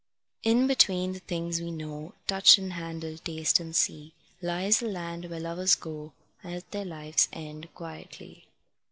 In between the things we know, Touch and handle, taste and see, Lies the land where lovers go At their life's end quietly.